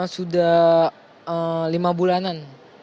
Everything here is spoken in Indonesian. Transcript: sudah lima bulanan